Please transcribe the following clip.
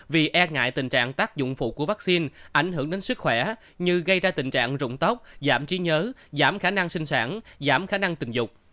vì e ngại tình trạng tác dụng phụ của vaccine ảnh hưởng đến sức khỏe như gây ra tình trạng rụng tóc giảm trí nhớ giảm khả năng sinh sản giảm khả năng tình dục